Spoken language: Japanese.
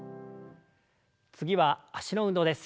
次は脚の運動です。